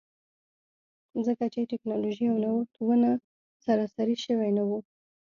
ځکه چې ټکنالوژي او نوښت ونه سراسري شوي نه وو.